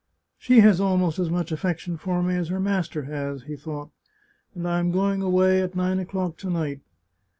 " She has almost as much affection for me as her master has," he thought. " And I am going away at nine o'clock to night.